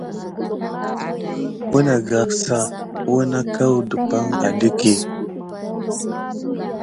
Ounagrassa wuna akou dumpay aɗéke.